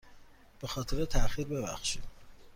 به خاطر تاخیر ببخشید.